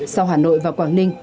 sau hà nội và quảng ninh